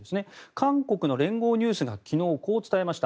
韓国の連合ニュースが昨日、こう伝えました。